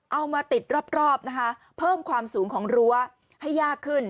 เอามาติดรอบนะคะเพิ่มความสูงของรั้วให้ยากขึ้น